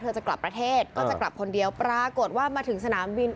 จะกลับประเทศก็จะกลับคนเดียวปรากฏว่ามาถึงสนามบิน